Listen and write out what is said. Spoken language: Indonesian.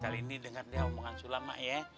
kali ini denger dia omongan sulam mak ya